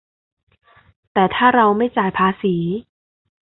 แต่ถ้าเราไม่จ่ายภาษี